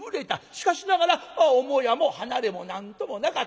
しかしながら母屋も離れも何ともなかった。